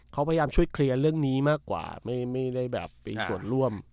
เขาพยายามช่วยเคลียร์เรื่องนี้มากกว่าไม่ได้แบบมีส่วนร่วม